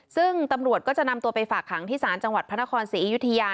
ซึ่งตำรวจก็จะนำตัวไปฝากขังที่ศาลจังหวัดพระนครศรีอยุธยา